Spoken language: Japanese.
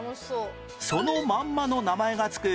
そのまんまの名前が付く